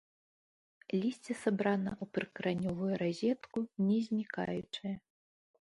Лісце сабрана ў прыкаранёвую разетку, не знікаючае.